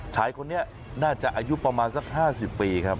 ชายคนนี้น่าจะอายุประมาณสัก๕๐ปีครับ